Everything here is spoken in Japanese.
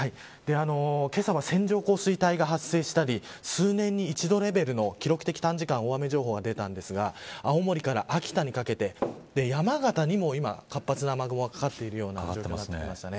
けさは線状降水帯が発生したり数年に一度レベルの記録的短時間大雨情報が出ましたが青森から秋田にかけて山形にも、活発な雨雲がかかっている状態です。